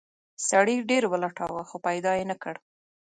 سړي ډیر ولټاوه خو پیدا یې نه کړ.